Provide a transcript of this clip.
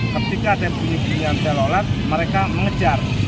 ketika ada bunyi bunyian telolet mereka mengejar